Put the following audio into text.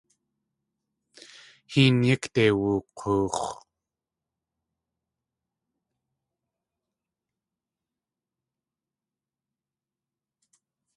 Héen yíkde wook̲oox̲.